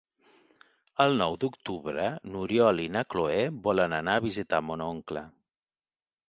El nou d'octubre n'Oriol i na Cloè volen anar a visitar mon oncle.